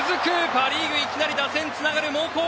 パ・リーグいきなり打線がつながる猛攻！